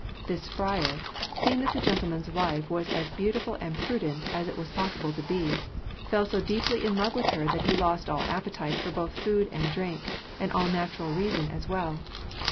This friar, seeing that the gentleman's wife was as beautiful and prudent as it was possible to be, fell so deeply in love with her that he lost all appetite for both food and drink, and all natural reason as well.